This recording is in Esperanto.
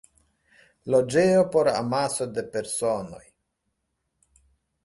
Loĝejo por amaso de personoj.